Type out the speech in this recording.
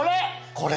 これ？